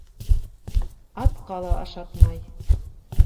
Атҡа ла ашатмай.